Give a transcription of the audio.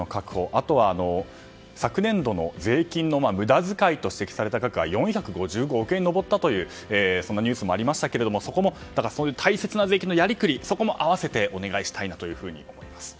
あとは昨年度の税金の無駄遣いと指摘された額が４５５億円に上ったというそんなニュースもありましたがその大切な税金のやりくりも併せてお願いしたいと思います。